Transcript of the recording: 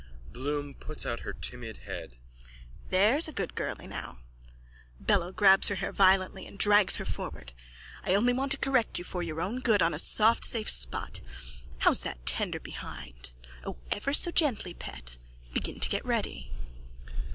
(Bloom puts out her timid head.) There's a good girly now. (Bello grabs her hair violently and drags her forward.) I only want to correct you for your own good on a soft safe spot. How's that tender behind? O, ever so gently, pet. Begin to get ready.